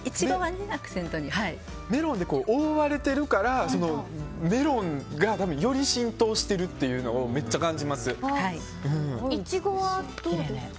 メロンで覆われてるからメロンがより浸透してるというのをイチゴはどうですか？